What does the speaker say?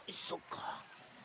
そっか。